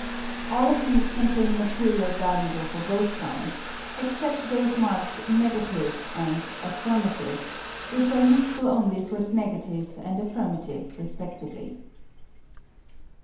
All of these contain material valuable for both sides, except those marked "N" and "A," which are useful only for the negative and affirmative, respectively.